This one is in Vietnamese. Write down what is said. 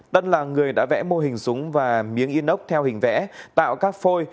tất là người đã vẽ mô hình súng và miếng inox theo hình vẽ tạo các phôi